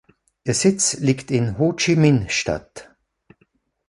Ihr Sitz liegt in Ho-Chi-Minh-Stadt.